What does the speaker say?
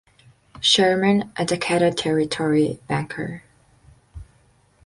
Sherman, a Dakota Territory banker.